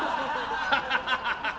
ハハハハハ！